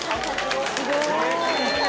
すごい！